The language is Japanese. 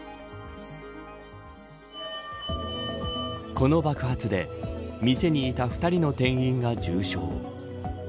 この爆発で店にいた２人の店員が重傷。